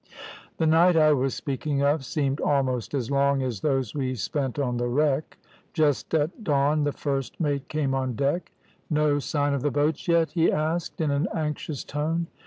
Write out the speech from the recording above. "The night I was speaking of seemed almost as long as those we spent on the wreck. Just at dawn the first mate came on deck. "`No sign of the boats yet?' he asked, in an anxious tone.